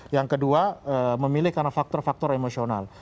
yang kedua memilih karena faktor faktor emosional